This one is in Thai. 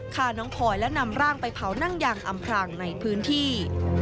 ฆ่าน้องพลอยและนำร่างไปเผานั่งยางอำพรางในพื้นที่